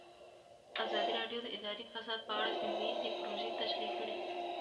ازادي راډیو د اداري فساد په اړه سیمه ییزې پروژې تشریح کړې.